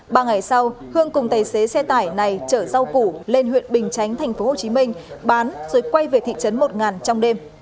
ba ngày sau hương cùng tài xế xe tải này chở rau củ lên huyện bình chánh tp hcm bán rồi quay về thị trấn một trong đêm